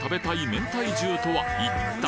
めんたい重とは一体？